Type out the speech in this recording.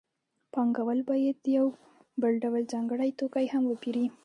پانګوال باید یو بل ډول ځانګړی توکی هم وپېري